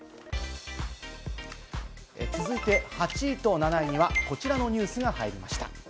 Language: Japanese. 続いて８位と７位はこちらのニュースが入りました。